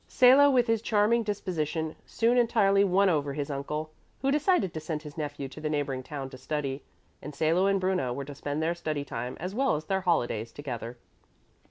Salo, with his charming disposition, soon entirely won over his uncle, who decided to send his nephew to the neighboring town to study, and Salo and Bruno were to spend their study time as well as their holidays together.